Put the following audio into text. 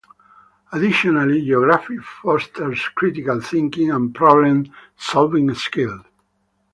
Additionally, geography fosters critical thinking and problem-solving skills.